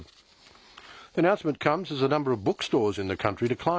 そうですね。